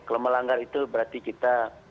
kalau melanggar itu berarti kita